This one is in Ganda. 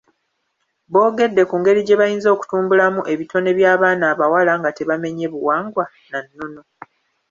Boogedde ku ngeri gye bayinza okutumbulamu ebitone by'abaana abawala nga tebamenye buwangwa na nnono.